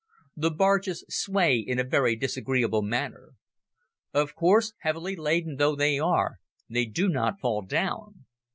The barges sway in a very disagreeable manner. Of course, heavily laden though they are, they do not fall down.